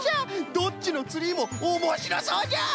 どっちのツリーもおもしろそうじゃ！